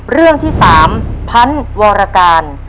เรื่องที่๓พันธุ์วรการ